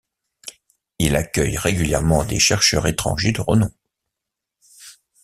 Il accueille régulièrement des chercheurs étrangers de renom.